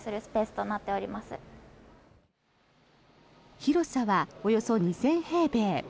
広さはおよそ２０００平米。